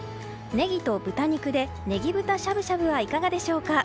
ネギと豚肉でネギ豚しゃぶしゃぶはいかがでしょうか。